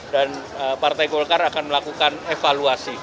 dan partai golkar akan melakukan evaluasi